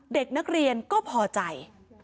เด็กนักเรียนก็พอใจ